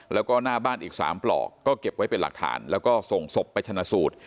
แล้วก็หน้าบ้านอีก๓ปลอกก็เก็บไว้เป็นหลักฐานแล้วก็ส่งศพไปชนะสูตร